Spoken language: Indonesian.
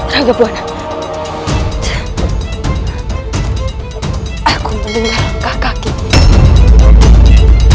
raka amuk marugul